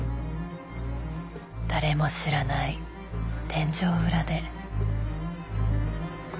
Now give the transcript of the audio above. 誰も知らない天井裏で。